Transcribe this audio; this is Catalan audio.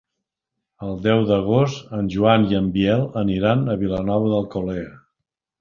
El deu d'agost en Joan i en Biel aniran a Vilanova d'Alcolea.